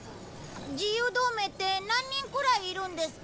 自由同盟って何人くらいいるんですか？